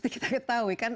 kita ketahui kan